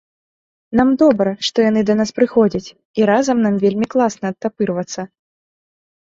Нам добра што яны да нас прыходзяць, і разам нам вельмі класна адтапырвацца.